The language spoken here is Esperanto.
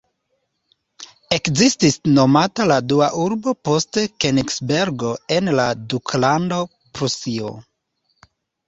Ekestis nomata la dua urbo post Kenigsbergo en la Duklando Prusio.